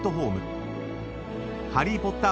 ［『ハリー・ポッター』